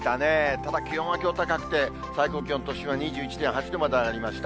ただ気温はきょう高くて、最高気温、都心は２１．８度まで上がりました。